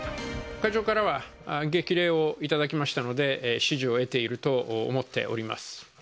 会長からは激励をいただきましたので、支持を得ていると思っております。